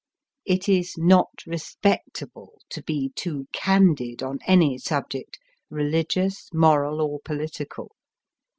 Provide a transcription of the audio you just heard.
It is not respectable to be too candid on any subject, religious, moral, or political.